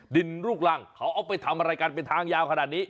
ลูกรังเขาเอาไปทำอะไรกันเป็นทางยาวขนาดนี้